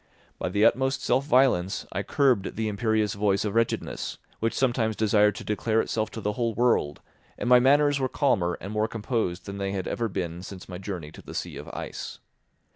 By the utmost self violence I curbed the imperious voice of wretchedness, which sometimes desired to declare itself to the whole world, and my manners were calmer and more composed than they had ever been since my journey to the sea of ice.